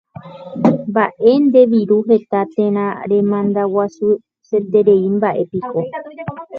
Mba'e nde viru heta térã remandaguasuetereímba'epiko.